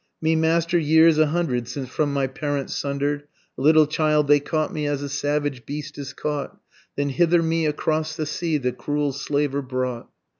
_Me master years a hundred since from my parents sunder'd, A little child, they caught me as the savage beast is caught, Then hither me across the sea the cruel slaver brought.